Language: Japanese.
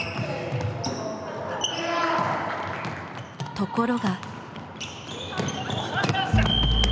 ところが。